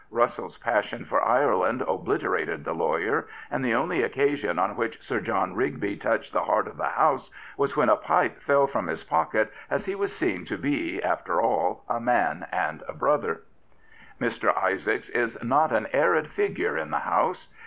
Russell's passion for Ireland obliterated the lawyer, and the only occasion on which Sir John Rigby touched the heart of the House was when a pipe fell from his pocket and he was seen to be, after all, a man sCnd a brother. Mr. Isaacs is not an arid figure in the House.